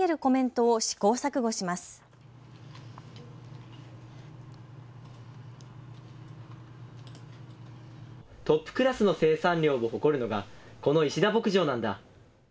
トップクラスの生産量を誇るのがこの石田牧場なんだ。